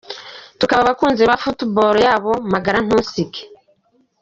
Tukaba abakunzi ba football yabo magara ntusiga.